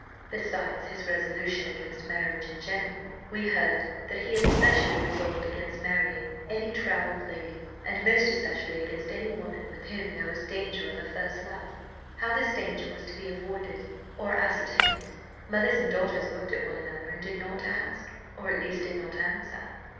Besides his resolution against marriage in general, we heard that he had specially resolved against marrying any travelled lady, and most especially against any woman with whom there was danger of a first love. How this danger was to be avoided or ascertained, mothers and daughters looked at one another, and did not ask, or at least did not answer.